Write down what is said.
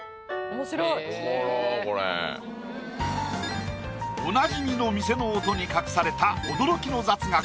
おもろこれおなじみの店の音に隠された驚きの雑学！